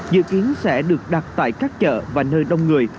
dự kiến sẽ được đặt tại các chợ và nơi đông người